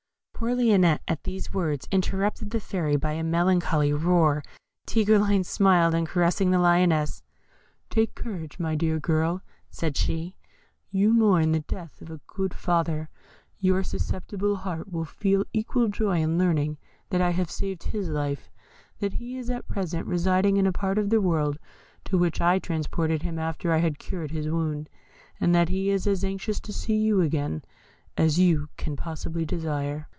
Poor Lionette at these words interrupted the Fairy by a melancholy roar. Tigreline smiled, and caressing the Lioness, "Take courage, my dear girl," said she; "you mourn the death of a good father; your susceptible heart will feel equal joy in learning that I have saved his life; that he is at present residing in a part of the world to which I transported him after I had cured his wound; and that he is as anxious to see you again as you can possibly desire."